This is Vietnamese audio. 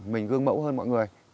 mình gương mẫu hơn mọi người